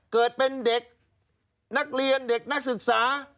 เกิดเป็นเด็กนักเรียนเด็กนักศึกษา